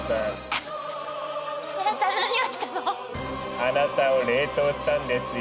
あなたを冷凍したんですよ